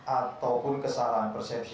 ataupun kesalahan persepsi